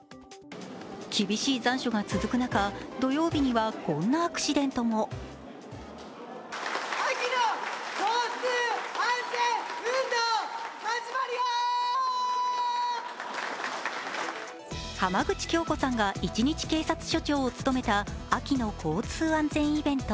厳しい残暑が続く中、土曜日にはこんなアクシデントも浜口京子さんが一日警察署長を務めた秋の交通安全イベント。